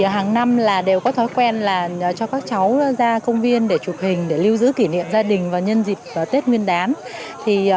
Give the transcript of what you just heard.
hàng năm đều có thói quen cho các cháu ra công viên để chụp hình để lưu giữ kỷ niệm gia đình và nhân dịp tết nguyên đáng